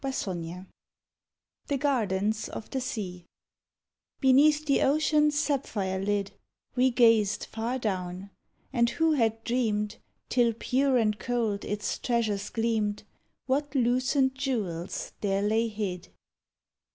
85 THE GARDENS OF THE SEA Beneath the ocean's sapphire lid We gazed far down, and who had dreamed, Till pure and cold its treasures gleamed, What lucent jewels there lay hid"?